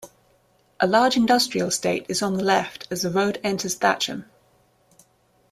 A large industrial estate is on the left as the road enters Thatcham.